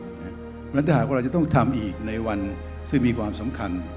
เพราะฉะนั้นถ้าหากว่าเราจะต้องทำอีกในวันซึ่งมีความสำคัญ